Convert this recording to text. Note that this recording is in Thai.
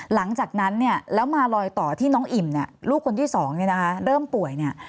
หลังจากนั้นเนี่ยแล้วมารอยต่อที่น้องอิ่มลูกคนที่สองเริ่มป่วยเนี่ย